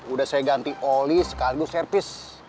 udah saya ganti oli sekali dulu servis